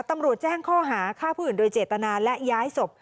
ตำรวจแจ้งข้อหาฆ่าผู้อื่นโดยเจตนาและย้ายศพ